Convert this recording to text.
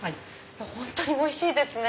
本当においしいですね。